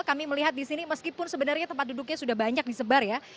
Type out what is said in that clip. kami melihat di sini meskipun sebenarnya tempat duduknya sudah banyak disebar ya